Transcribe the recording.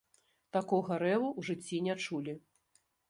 Такога рэву ў жыцці не чулі.